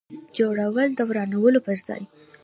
جوړول د ورانولو پر ځای.